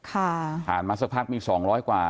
ระห่างมา๒๐๐กว่า